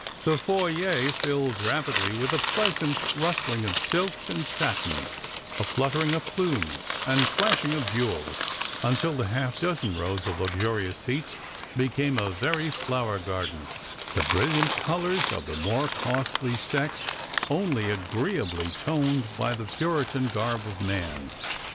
The /oyer filled rapidly, with n pleasant rustling of silks and satins, a fluttering of plumes, and flashing of jewels, until the half dozen rows of luxurious seats became a very flower garden, the brilliant colours of the more costly sex only agreeably toned by the puritan garb of man.